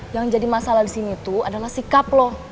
yang jadi masalah disini tuh adalah sikap lo